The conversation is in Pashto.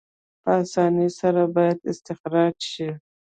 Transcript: په اسانۍ سره باید استخراج شي.